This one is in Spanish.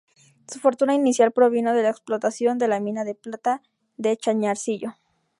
Su fortuna inicial provino de la explotación de la mina de plata de Chañarcillo.